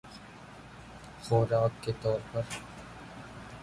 خوراک کے طور پر